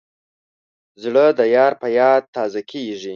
زړه د یار په یاد تازه کېږي.